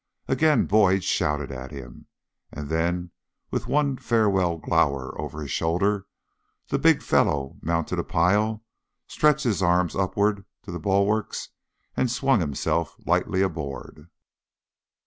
Again Boyd shouted at him, and then with one farewell glower over his shoulder the big fellow mounted a pile, stretched his arms upward to the bulwarks, and swung himself lightly aboard.